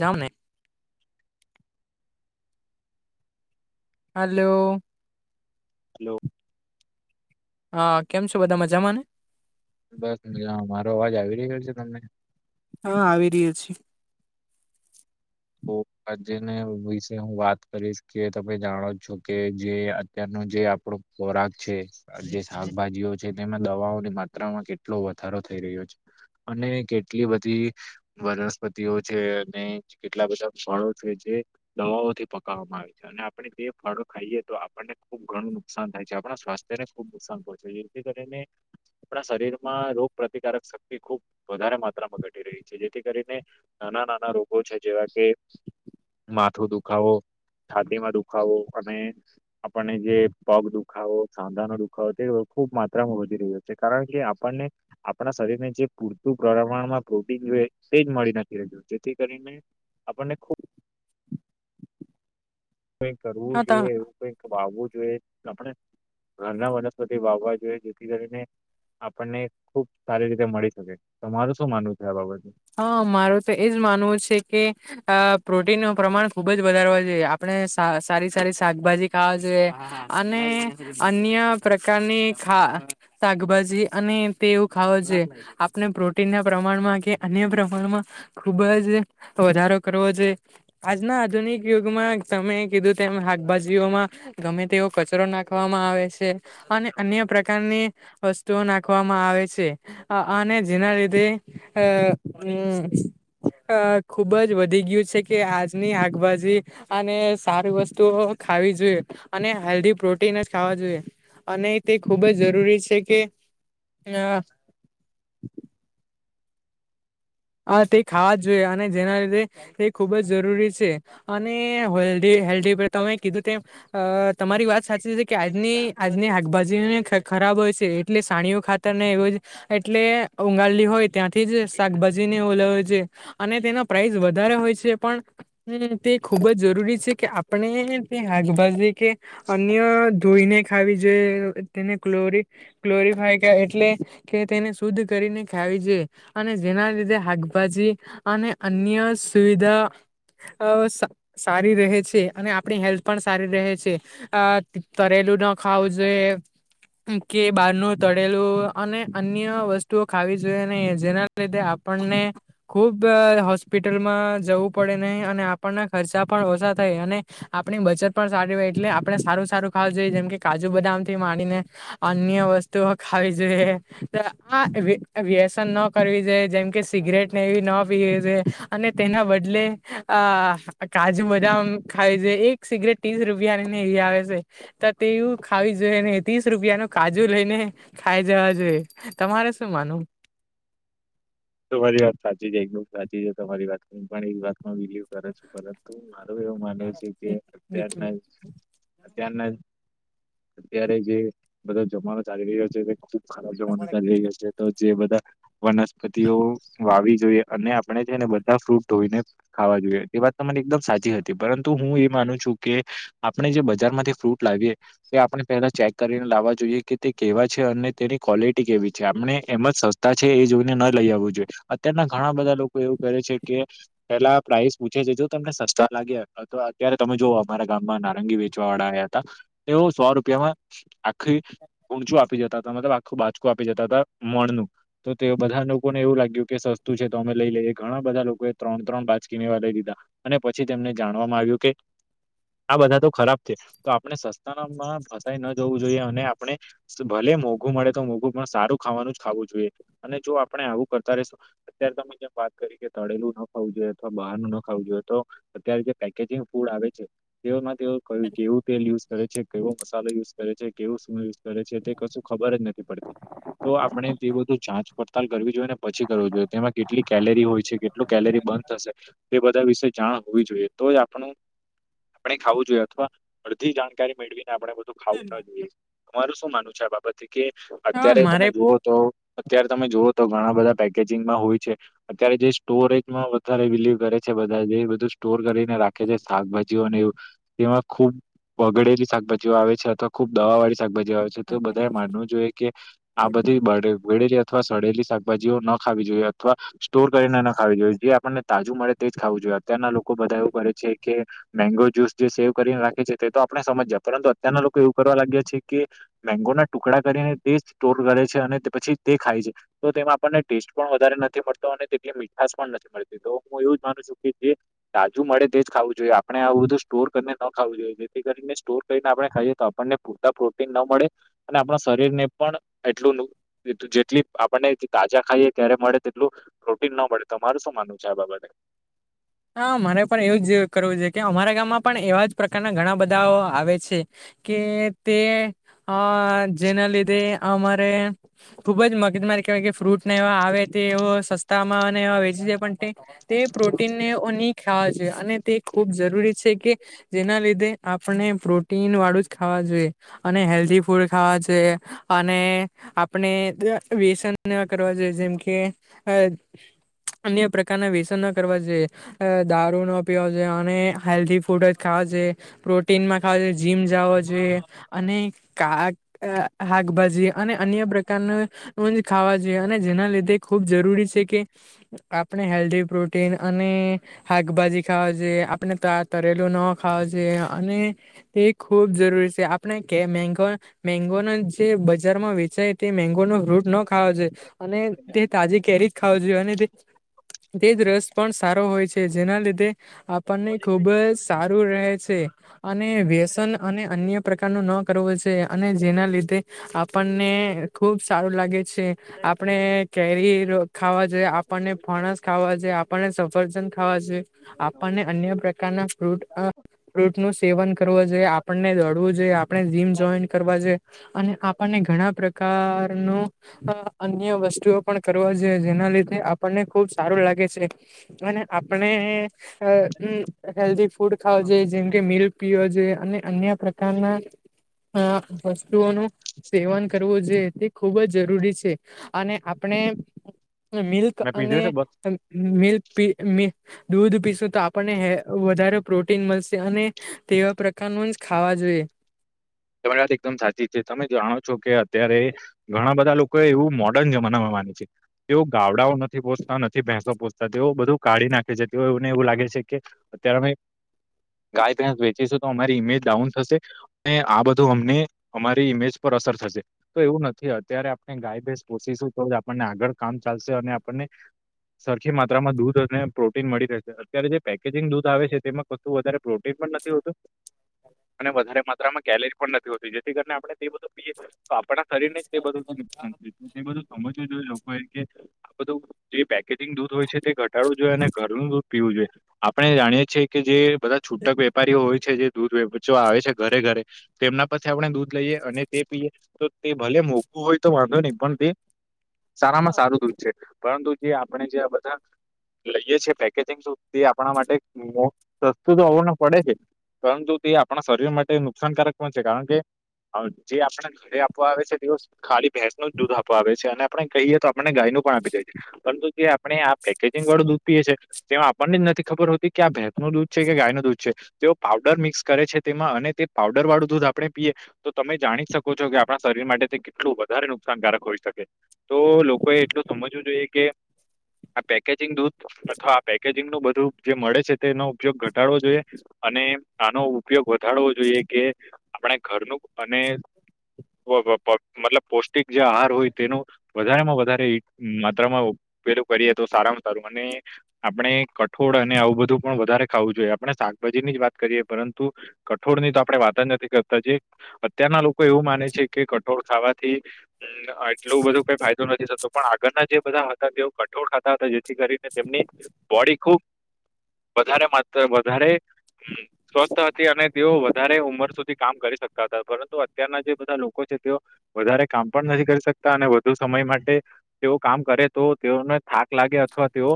જામને hello hello. હા, કેમ છ બધા મજામાંને? બસ મજા મારો અવાજ આવી રહ્યો છે તમને? હા આવી રહ્યા છે, તો આજ વિશે હું વાત કરીશ કે તમે જાણો છો, કે જે અત્યાર જે આપડો ખોરાક છે જે શાકભાજીઓ છે, તેમાં દવાઓની માત્રામાં કેટલો વધારો થ રહ્યો છે અને કેટલી બધી વનસ્પતિઓ છે, અને કેટલા બધા ફળો છે જે દવાઓથી પકવામાં આવે છે અને આપણે જે ફળો ખાઈએ તો આપણને ખુબ ઘણું નુકસાન થાય છે, આપણા સ્વાસ્થ્યને ખુબ નુકસાન પડશે છે જેથી કરીને આપણા શરીરમાં રોગ પ્ર્તિકારક શક્તિ ખૂબ વધારે માત્રામાં ઘટી રહી છે, જેથી કરીને નાના નાના રોગો છે જેવા કે માથું દુખાવો છાતીમાં દુખાવો અને આપણને જે પગ દુખાવો સાંધા નો દુખાવો તે ખૂબ માત્રામાં વધી રહ્યો છે કારણ કે આપણને આપણા શરીરને જે પૂરતું પ્રમાણમાં પ્રોટીન તેજ મળી નથી રહ્યું, જેથી કરીને આપણને ખૂબ કઈક કરવું હા ત જોઈએ એવું કઈક વાવવું જોઈએ, આપણે ઘરના વનસ્પતિ વાવવા જોઈએ જેથી કરીને આપણને ખુબ સારી રીતે મળી શકે તમારું શું માનવું છે, આ બાબત હા મારું તો એજ માનવું છે કે અ પ્રોટીન નું પ્રમાણ ખુબ જ વધારવા જોઈએ આપડણે સારી સારી શાકભાજી ખાવા જોએ, અને અન્ય પ્રકારની ખા શાકભાજી અને તેવું ખાવ જો આપણે પ્રોટીન ના પ્રમાણમાં અન્ય પ્રમાણમાં ખુબ જ વધારો કરવો જો આજના આધુનિક યુગમાં તમે કીધું તેમ શાકભાજીઓમાં ગમે તેવો કચરો નાખવામાં આવે છે, અને અન્ય પ્રકારની વસ્તુઓ નાખવામાં આવે છે, અને જેના લીધે હમ્મ અ ખુબ જ વધી ગયું છે, કે આજની આકબાજી અને સારી વસ્તુ ખીવી જોઈએ અને હેલ્ધી પ્રોટીન જ ખાવા જોઈએ. અને તે ખૂબ જ જરૂરી છે, કે અ [unintelligible] હ તે ખાવા જોઈએ અને જેના લીધે તે ખુબ જ જરૂરી છે, અને હલ્ઘી હેલ્ તમે કીધું તેમ તમારી વાત સાચી છે કે આજની આજની શાકભાજી ખરાબ હોય છે એટલે સાણીઓ ખાતર ન એવ એટલે ગાળ હો હોય ત્યાંથી જ શાકભાજ જેને ઓ લાવે છે અને તેના પ્રાઇસ વધારે હોય છે પણ તે ખૂબ જ જરૂરી છે કે આપણે તે હગવી કે અન્ય ધોઈને ખાવી જોઈએ તેને ક્લોરી ક્લોરીફાઈ કે એટલે કે તેને શુદ્ધ કર રીને ખાવી જીએ અને જેના લીધ ધે હાકભાજી અને અને અન્ય સુવિધા અ સારી રહે છે અને આપડી હેલ્થ પણ સારી રહે છે અ તરે પલું ના ખાવું જોઈએ કે બારનું તળેલું અને અન્ય વસ્તુઓ ખાવી જોઈએ નહિ જેના લીધે આ આપણને ખુબ હોસ્પિટલમાં જવું પડે નહી અને આપણના ખર્ચા પણ ઓછા થા ય અને આપણી બચત પણ સારી હો એટલે આપણે સારું સારું ખાવું જોઈએ જેમ કે કાજુ બદામ થી માંડીને અન્ય વસ્તુઓ ખાવી જોઈએ આ વ્યસન ન કરવી જોઈએ જેમ કે સિગરેટને એવી ન પીવે છે અને તેના બદલે અ કાજુ બદામ ખાવી જોઈએ એક સિગરેટ ત્રીસ રૂપિયા ની ને એ આવે છે તો તેવું ખાવી જોઈએ ત્રીસ રૂપિયા નું કાજુ લઈને ખાઈ જવા જોઈએ તમારે શું માનું? તમારી વાત સાચી છે એકદમ સાચી છે તમારી વાત હું પણ એક વાતમાં બિલીવ કરે છું પરંતુ મા મારું એવું માનવું છે કે અત્યારના ત્યારના અત્યારે જે બધો જમાનો ચાલી રહ્યો છે ખુબ ખરાબ વજમાનું રહ્યું છે તો જે બધા વનસ્પતિઓ વાવી જોઇએ અને આપણે‌ છે ને બધા ફ્રૂટ ધોઈને ખાવા જોઈએ એ વાત તમારી એકદમ સાચી હતી પરંતુ હું એ મા માનું છું કે આપણે જે બજારમાંથી ફ્રૂટ લાવીએ તે આપણે પેલા ચેક કરીને લાવવા જોઈએ કે તે કેવા છે અને તેની ક્વોલિટી કેવી છે આપણે એમ જ સસ્તા છે એ જો ને નઈ લઈ આવવું જોઈએ અત્યના ઘણા બધા લોકો એવું કરે છે કે પેલા પ્રાઇસ પૂછે છે જો તમને સ સ્તા લાગ્યા અથવા અત્યારે તમે જોઓ અમારા ગામમાં નારંગી વેચવા વાળા આયા હતા તેઓ સો રૂપિયામાં આખી ઊંચું આપી જતા હતા મતલબ આખું બાજકું આપી જતા હતા મણનું તો તે બધા લોકોને એવું લાગ્યું કે સસ્તું છે તો અમે લઈ લઈએ ઘણા બધા લોકોએ ત્રણ ત્રણ બાચકીને એવા લઈ દીધા અને પછી તેમને જાણવામાં આવ્યું કે આ બધા તો ખરાબ છે તો આપણે સસ્તામાં પણ ફસાઈ ન જવું જોઈએ અને આપણે ભલે મોંઘું મળે તો મોંઘું પણ સારું ખાવાનું જ ખાવું જોઈએ અને જો આપણે આવું કરતા રેશું અત્યારે તમે જેમ વાત કરી કે તળેલું ન ખાવું જોઈએ અથવા બહારનું ના ખાવું જો તો અત્યારે જે પેકેજીંગ ફૂડ આવે છે તેઓ માં કેવું તેલ યુઝ કરે છે કેવો મસાલો યુઝ કરે છે કેવું સ કરે છે તે કશું ખબર જ નથી પડતી તો આપણે જે બધું જાચ પડતાલ કરવી જોઈએ ને પછી કરવું જોઈએ તેમાં કેટલી કેલેરી હોય છે કેટલું કેલેરી બંન થશે તે બધા વિશે જાણ હોવી જોઈએ તો જ આપણું આપણે ખાવું જોઈએ અથવા અડધી જાણકારી મેળવી ને આપણે બધું ખાવું થ જોઈએ તમારું શું માનું છે આ બાબતે કે હા અત્યારે તમે મારે જુઓ તો અત્યારે તમે જુઓ તો ઘણા બધા પેકેજિંગમાં હોય છે અત્યારે જે સ્ટોરેજમાં વધારે બિલીવ કરે છે બધા જે બધું સ્ટોર કરીને રાખે છે શાકભાજીઓને એવું તેમાં ખૂબ બગડેલી શાકભાજીઓ આવે છે અથવા ખુબ દવા વાળી શાકભાજી આવે છે તો બધા એ માનવું જોઈએ કે આ બધી બડ બગડેલી અથવા સડેલી શાકભાજીઓ ન ખાવી જોઈએ અથવા સ્ટોર કરીને ન ખાવી જોઈએ જે આપણને તાજુ મળે તે ખાવું જોઈએ અત્યારના લોકો બધા એવું કરે છે કે મેંગો જ્યુસ જે સેવ કરીને રાખે છે તે તો આપણેે સમજ્યા પરંતુ અત્યારના લોકો એવું કરવા લાગ્યા છે કે મેંગો ના ટુકડા કરીને તે સ્ટોર કરે છે અને તે પછી તે ખાય છે તો તેમાં આપણને ટેસ્ટ પણ વધારે નથી મળતો અને તેટલી મીઠાશ પણ નથી મળતી તો હું એવું જ માનું છુ કે જે તાજુ મળે તે જ ખાવું જોઈએ આપણે આવું બધું સ્ટોર કરીને ન ખાવું જોઈએ જેથી કરીને સ્ટોર કરી આપણે ખાઈ તો આપણને પૂરતા પ્રોટીન ના મળે અને આપણા શરીર ને પણ એટલું નું જેટલી આપણને તાજા ખાઈએ ત્યારે મળે તેટલું પ્રોટીન ના મળે તમારું શું માનવું છે આ બાબતે? હા મને પણ એવું જ કરવું જોઈ કે અમારા ગામમાં પણ એવા જ પ્રકારના ઘણા બધાઓ આવે છે. કે તે અ જેના લીધે અમારે ખુબ જ મગજમારી કેવાય કે ફ્રૂટને એવા આવે તેઓ સસ્તામાં ને એવા વેચી જાય પણ તે પ્રોટીન ને વુ ની ખાવા જુવે અને તે ખૂબ જરૂરી છે કે જેના લીધે આપણે પ્રોટીન વાળું જ ખાવા જોઈ અને હેલ્ધી ફૂડ ખાવા છે અને આપણે વ્યસન ના કરવા જોઈએ જેમ કે અ અન્ય પ્રકારના વ્યસન ના કરવા જોઈએ. અ દારૂ ન પીવા છે અને હેલ્ધી ફૂડ જ ખાવા જોઈએ. પ્રોટીનમાં ખાલી જીમ જવો છે અને કા હાક કભાજી અને અન્ય પ્રકારના ખાવા જોઈએ અને જેના લીધે ખૂબ જરૂરી છે કે આપણે હેલ્ધી પ્રોટીન અ ને હાકભાજી ખાવવા છે આપણે ત તરેલું ન ખાવા જોઈએ અને ખુબ જરૂરી છે આપણે કે મે મેંગો મેંગોના જે બજારમાં વેચાય તે મેગો નો ફ્રૂટ ન ખાવવા છે અને તે તાજી કેરી જ ખાવ જોઈ અને તે તેજ રસ પણ સારો હોય છે જેના લીધે આપણને ખુબ સા રુ રહે છે અને વ્યસન અને અન્ય પ્રકાર ન ન કરવો છે અને જેના લીધે આપણને ખુબ સારું લાગે છે આપણે કેરી ખાવા જોએ આપણને ફણસ ખાવા જોએ. આપ સફરજન ખાવા જોએ આપણને અન્ય પ્રકારના ફ્રૂટ ફ્રૂટ નું સેવન કરવું જોઈએ આપણને દડવું જોઈએ આપણે જીમ જોઈન કરવા જોઈએ અને આપને ઘણા પ્રકાર નો અન્ય વસ્તુઓ પણ કરવા જોઈએ જેના લીધે આપણને ખુબ સારું લાગે છે. અને આપણે હેલ્ધ ફૂડ ખાવ જોઈએ જેમ કે મિલ્ક પીવ જોઈએ. અન્ય પ્રકારના વસ્તુઓનું સેવન કરવું જોયે તે ખૂબ જ જરૂરી છે અને આપણે મિલ્ક મેં અને પીધું છે બસ મિલ્ક પી મી દૂધ પીશું તો આપને વધારે પ્રોટીન મળશે અને તેવા પ્ર કાન [unintelligible] ખાવા જોઈએ [inaudible] તમારી વાત એકદમ સાચી છે તમે જાણો છો કે અત્યારે ઘણા બધા લોકો એવું મોડર્ન જમાનામાં તેઓ ગાવડાઓ નથી પોચતા નથી ભેસો પોચતા તેઓ બધું કાઢી નાખે છે તેઓને એવું લાગે છે [unintelligible] ગાય બેસ વચીસુ તો અમારી ઇમેજ ડાઉન થશે અને આ બધ ધૂ અમને અમારી ઇમેજ પર અસર થશે તો એવું નથી અત્યારે આપણે ગાય ભેસ પોશું તો જ આપ આગળ કામ ચાલશે અને આપણને સરખી માત્રામાં દૂધ અને પ્રોટીન મળી રહેશે અત્યારે જે પેકેજિંગ દૂધ આવે છે તેમાં કશું વધારે પ્રોટીન પણ નથી હોતું અને વધારે માત્રામાં કેલેશ પણ નથી હોતી જેથી કરીને આપણે તે બધું પીયે તો આપણા શરીરને જ તે બધું નુકસાન થયું તું એ બધું સમજવું જોઈ લોકો એ આ બધું જે પેકેજિંગ દૂધ હોય છે તે ઘટાડવું જોઈએ અને ઘરનું દૂધ પીવું જોઈએ આપણે જાણીએ છીએ કે જે બધા છૂટક વેપારીઓ હોય છે જે દૂધ વેચો આવે છે ઘરે ઘરે તેમના પછી આપણે દૂધ લઈએ અને તે પીએ તો તે ભલે મોંઘું હોય તો વાંધો નહી પણ તે સારામાં સારું દૂધ છે પરંતુ જે આપણે જે આ બધા લઈએ છે પેકેજિંગધી આપણા માટે સસ્તું તો આવવ ન પડે છે. પરંતુ તે આપણા શરીર માટે નુકસાનકારક પણ છે કારણ કે હ જે આપણે ઘરે આપવા આવે છે તેઓ ખાલી ભેંસ નું જ દૂધ આપું આવે છે અને આપણે કહીએ તો આપને ગાય નુ આપી પરંતુ જે આપણે આેંગળું દુખીએ છીએ તેમાં આપને જ નથી ખબર હોતી કે આ ભે સ નું દૂધ છે કે ગાય નું દૂધ છે તેઓ પાવડર મિક્સ કરે છે તેમાં અને તે પાવડર વાળું દૂધ આપણે પીએ તો તમે જાણી શકો છો કે આપણા શરીર માટે તે કેટલું વધારે નુકસાનકારક હોઈ શકે. તો લોકોએ એટલું સમજવું જોઈએ કે આ પેકેજિંગ દૂધ અથવા આ પેકેજિંગ નું બધું જે મળે છે તેનો ઉપયોગ ઘટાડવો જોઈએ. અને આનો ઉપયોગ વધારવો જોઈએ કે આપણે ઘરનું અને [unintelligible] મતલબ પૌષ્ટિક જે આહાર હોય તેનું વધારેમાં વધારે એક માત્રામાં પેલું કરીએ તો સારામાં સારું. અને આપડ કઠોળ અને આવું બધું પણ વધારે ખાવું જોઈએ. આપણે ભાજી ની જ વાત કરીએ. પરંતુ કઠોળ ની તો આપડે વાત જ નથી કરતા અત્યારના લોકો એવું માને છે. કે કટોળ ખાવાથી એટલું બધું કઈ ફાયદો નથીતો. તો પણ આગળના જે બધા હતા તેઓ કટોટ થતા. હતા જેથી કરીને તેમની બોડી ખુબ વધારે માત્ર વધારે સ્વસ્થ હતી અને તેઓ વધારે ઉંમર સુધી. કામ કરી શકતા હતા પરંતુ અત્યારના જે બધા લોકો છે તેઓ. વધારે કામ પણ નથી કરી શકતા અને વધુ સમય. કામ કરે તો, તેઓને થાક લાગે અથવા તેઓ,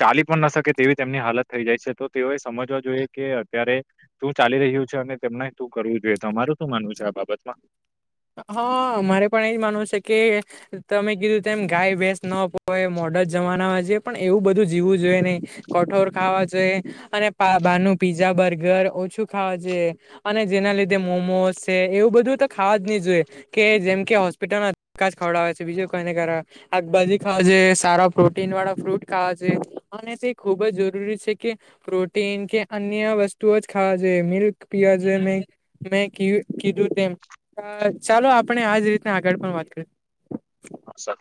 ચલી પણ ના શકે તેવી તેમની હાલત થઈ જાય છે. તો તેઓએ સમજવા જોઈએ. કે અત્યારે તું ચાલી રહ્યું છે. અને તેમના શું કરવું જોઈએ તો અમારું શું માનવું છે. આ બાબતમાં. હા મારે પણ એજ માનવું છે કે. તમે કીધું તેમ ગાય ભસ ન પોય. મો જના પણ એવું બધું જીવું જોઈએ નહી કઠોર ખાવા જોઈએ. અને બા પીઝા બર્ગર ઓછું ખાવા અને. જેના લીધે મોમો છે. એવું બધું તો ખાવા જોઈ. કે જેમ કે હોસ્પિટલમાં ખવડ છે. બીજું કઈને આગાજી ખ સારા પ્રોટીન વાળા ફૂટ ખાવા છે. અને તે ખૂબ જ જરૂરી છે કે પ્રોટીન કે. અન વસ્તુઓ જ ખાવા જો. મિલ્ક પીવાજ મે મે કીધું તેમ ચાલો આપણે આજ રીતના આગળ પણ વાત કરી. હા સર